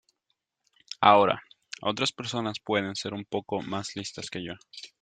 Ahora, otras personas pueden ser un poco más listas que yo.